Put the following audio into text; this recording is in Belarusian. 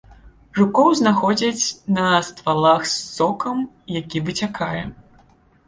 Жукоў знаходзяць на ствалах з сокам, які выцякае.